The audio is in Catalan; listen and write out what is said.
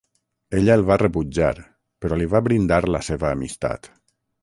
Ella el va rebutjar però li va brindar la seva amistat.